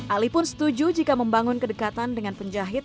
ali pun setuju jika membangun kedekatan dengan penjahit